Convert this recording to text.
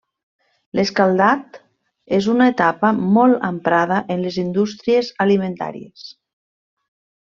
L'escaldat és una etapa molt emprada en les indústries alimentàries.